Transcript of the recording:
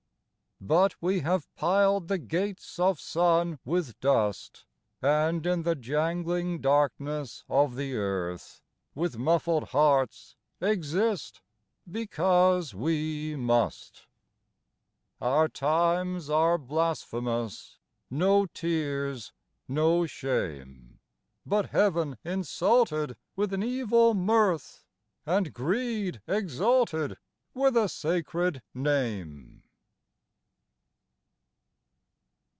But we have piled the gates of sun with dust, And in the jangling darkness of the earth, With muffled hearts, exist because we must. Our times are blasphemous : no tears, no shame, But heaven insulted with an evil mirth And greed exalted with a sacred name.